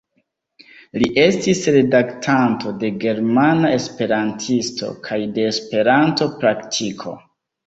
Li estis redaktanto de Germana Esperantisto kaj de Esperanto-Praktiko.